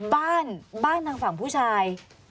บ้านบ้านทางฝั่งผู้ชาย